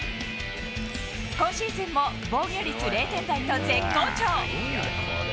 今シーズンも防御率０点台と絶好調。